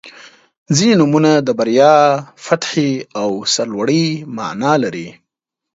• ځینې نومونه د بریا، فتحې او سرلوړۍ معنا لري.